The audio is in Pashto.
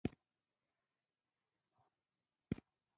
دغه کليوال څنګه بريالي شول؟